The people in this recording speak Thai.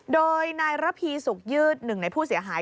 โดยนายระพีสุขยืดหนึ่งในผู้เสียหาย